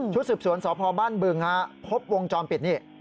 ชุดศึกษวนสพบบึงฮะพบวงจรปิดนี่